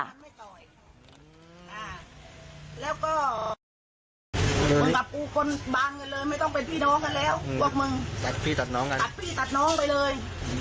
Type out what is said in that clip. มันไม่ต่อยแล้วก็มึงกับกูคนบานกันเลยไม่ต้องเป็นพี่น้องกันแล้วพวกมึงตัดพี่ตัดน้องกันตัดพี่ตัดน้องไปเลย